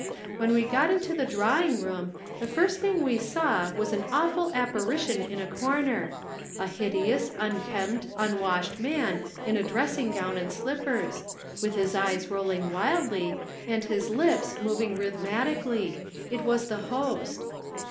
When we got into the drawing room, the first thing we saw was an awful apparition in a corner a hideous, unkempt, unwashed man in a dressing gown and slippers, with his eyes rolling wildly and his lips moving rhythmically. It was the host.